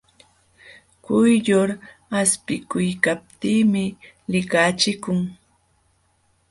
Quyllur aspikuykaptinmi likachikun.